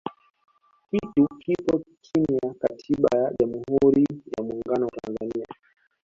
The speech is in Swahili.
kitu kipo chini ya katiba ya jamhuri ya muungano wa tanzania